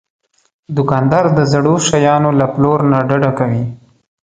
دوکاندار د زړو شیانو له پلور نه ډډه کوي.